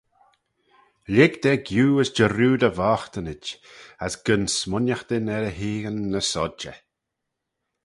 Lhig da giu as jarrood e voghtynid, as gyn smooinaghtyn er e heaghyn ny-sodjey.